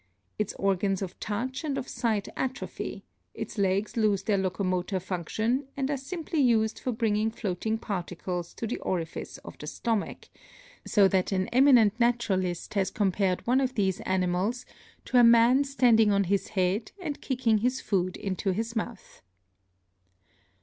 Its organs of touch and of sight atrophy, its legs lose their locomotor function and are simply used for bringing floating particles to the orifice of the stomach, so that an eminent naturalist has compared one of these animals to a man standing on his head and kicking his food into his mouth.